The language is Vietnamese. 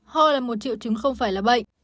hò là một triệu chứng không phải là bệnh